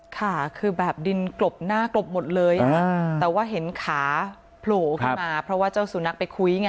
ค่ะคือแบบดินกลบหน้ากลบหมดเลยแต่ว่าเห็นขาโผล่ขึ้นมาเพราะว่าเจ้าสุนัขไปคุยไง